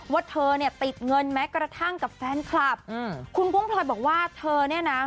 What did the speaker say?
ว่าเธอเนี่ยติดเงินแม้กระทั่งกับแฟนคลับอืมคุณบุ้งพลอยบอกว่าเธอเนี่ยนะ